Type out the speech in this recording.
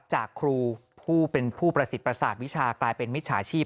จากครูผู้เป็นผู้ประสิทธิ์ประสาทวิชากลายเป็นมิจฉาชีพ